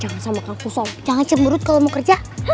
jangan sama kang kusoy jangan cemerut kalau mau kerja